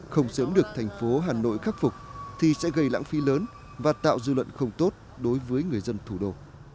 không sớm được thành phố hà nội khắc phục thì sẽ gây lãng phí lớn và tạo dư luận không tốt đối với người dân thủ đô